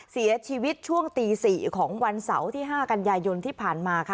เสียชีวิตช่วงตี๔ของวันเสาร์ที่๕กันยายนที่ผ่านมาค่ะ